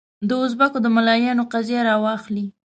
دوزبکو د ملایانو قضیه راواخلې.